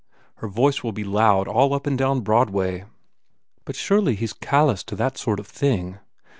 Her voice will be loud all up and down Broadway." "But surely he s callous to that sort of thing?"